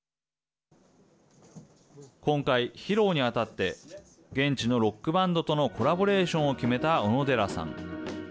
今回、披露にあたって現地のロックバンドとのコラボレーションを決めた小野寺さん。